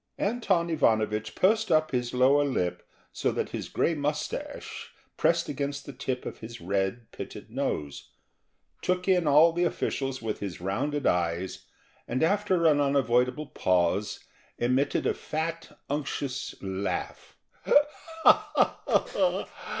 Anton Ivanovich pursed up his lower lip so that his grey moustache pressed against the tip of his red pitted nose, took in all the officials with his rounded eyes, and after an unavoidable pause emitted a fat unctuous laugh. "Ha, ha, ha!